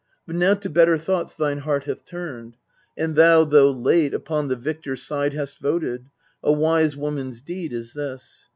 But now to better thoughts thine heart hath turned, And thou, though late, upon the victor side Hast voted : a wise woman's deed is this.